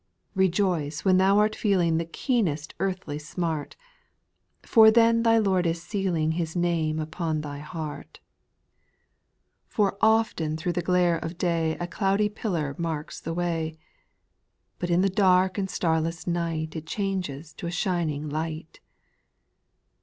2. Rejoice when thou art feeling The keenest earthly smart. For then thy Lord is sealing His name upon thy heart. 32 i 862 SPIRITUAL SONGS. For often through the glare of day A cloudy pillar marks the way, But in the dark and starless night It changes to a shining light.